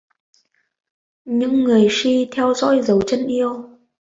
Những người si theo dõi dấu chân yêu